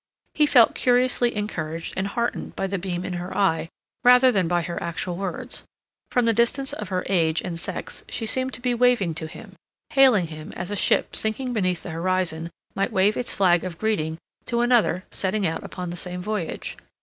He felt curiously encouraged and heartened by the beam in her eye rather than by her actual words. From the distance of her age and sex she seemed to be waving to him, hailing him as a ship sinking beneath the horizon might wave its flag of greeting to another setting out upon the same voyage.